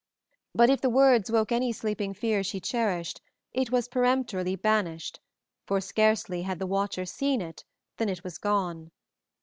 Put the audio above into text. But if the words woke any sleeping fear she cherished, it was peremptorily banished, for scarcely had the watcher seen it than it was gone.